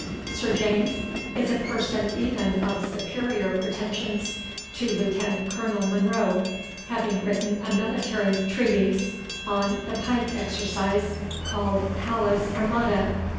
Sir James is a person even of superior pretensions to Lieutenant Colonel Monro, having written a Military Treatise on the Pike Exercise, called "Pallas Armata."